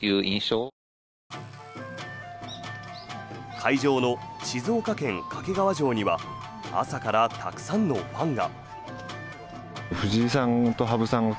会場の静岡県・掛川城には朝からたくさんのファンが。